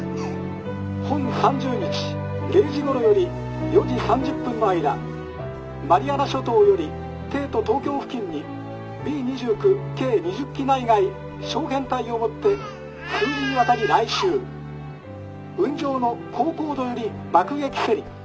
本３０日零時ごろより４時３０分の間マリアナ諸島より帝都東京付近にＢ２９計２０機内外小編隊をもって数次にわたり来襲雲上の高高度より爆撃せり。